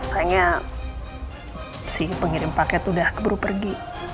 sayangnya si pengirim paket udah beru pergi